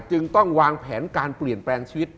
จึงต้องวางแผนการเปลี่ยนแปลงชีวิต